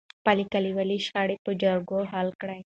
خپلې کليوالې شخړې په جرګو حل کړئ.